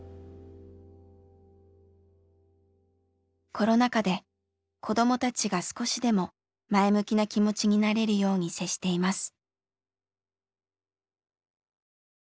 コロナ禍で子どもたちが少しでも前向きな気持ちになれるように接しています。